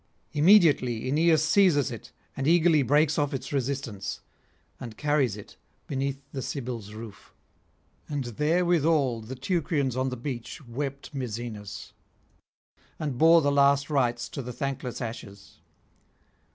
Immediately Aeneas seizes it and eagerly breaks off its resistance, and carries it beneath the Sibyl's roof. And therewithal the Teucrians on the beach wept Misenus, and bore the last rites to the thankless ashes.